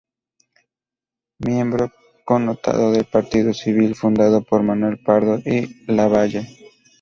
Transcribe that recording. Miembro connotado del Partido Civil, fundado por Manuel Pardo y Lavalle.